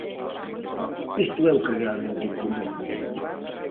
Isto é o que realmente incomoda.